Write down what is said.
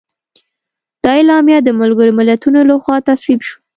دا اعلامیه د ملګرو ملتونو لخوا تصویب شوه.